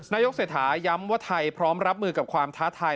นายกเศรษฐาย้ำว่าไทยพร้อมรับมือกับความท้าทาย